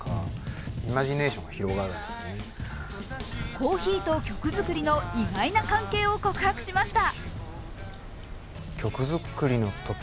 コーヒーと曲作りの意外な関係を告白しました。